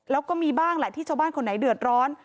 แล้วก็มีบ้างแหละที่ชาวบ้านคนไหนเดือดร้อน